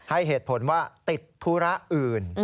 ให้เหตุผลว่าติดธุระอื่น